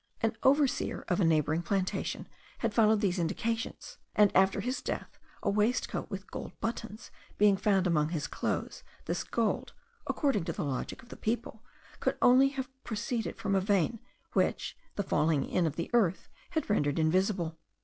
An overseer of a neighbouring plantation had followed these indications; and after his death, a waistcoat with gold buttons being found among his clothes, this gold, according to the logic of the people here, could only have proceeded from a vein, which the falling in of the earth had rendered invisible.